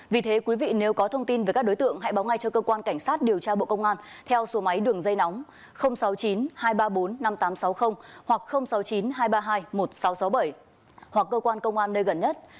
vì thế quý vị nếu có thông tin về các đối tượng hãy báo ngay cho cơ quan cảnh sát điều tra bộ công an theo số máy đường dây nóng sáu mươi chín hai trăm ba mươi bốn năm nghìn tám trăm sáu mươi hoặc sáu mươi chín hai trăm ba mươi hai một nghìn sáu trăm sáu mươi bảy hoặc cơ quan công an nơi gần nhất